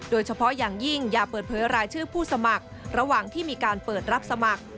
โดยเฉพาะอย่างยิ่งอย่าเปิดเผยรายชื่อผู้สมัครระหว่างที่มีการเปิดรับสมัคร